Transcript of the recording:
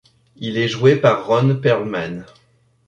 Il est joué par Ron Perlman.